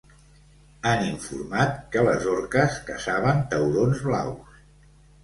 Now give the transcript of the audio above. Han informat que les orques caçaven taurons blaus.